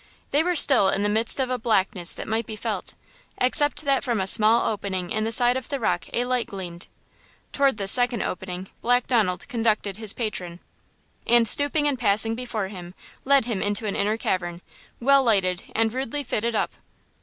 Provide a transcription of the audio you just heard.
They were still in the midst of a blackness that might be felt, except that from a small opening in the side of the rock a light gleamed. Toward this second opening Black Donald conducted his patron. And stooping and passing before him, led him into an inner cavern, well lighted and rudely fitted up.